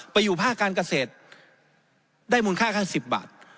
อยู่ภาคการเกษตรได้มูลค่าแค่๑๐บาท